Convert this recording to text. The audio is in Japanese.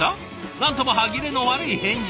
何とも歯切れの悪い返事。